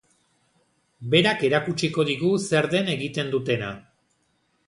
Berak erakutsiko digu zer den egiten dutena.